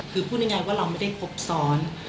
คือพูดอย่างไรว่าเราไม่ได้พบซ้อน